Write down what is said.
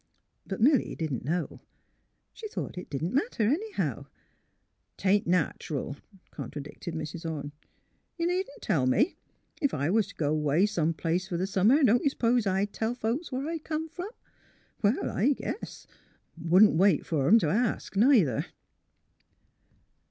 But Milly didn't know. She thought it didn't matter, anyway. '' 'Tain't natural," contradicted Mrs. Orne. Y'u needn't tell me. Ef I was t' go 'way some place fur the summer don't you s'pose I'd tell folks where I come from? Well, I guess! Wouldn't wait fer 'em t' ask, neither."